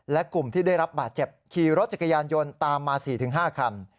และกลุ่มที่ได้รับบาดเจ็บขี่รถจักรยานยนต์ตามมา๔๕คัน